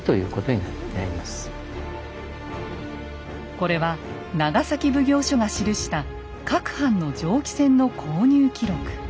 これは長崎奉行所が記した各藩の蒸気船の購入記録。